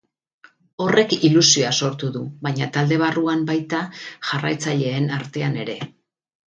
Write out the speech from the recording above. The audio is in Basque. Horrek ilusioa sortu du, bai talde barruan baita jarraitzaileen artean ere.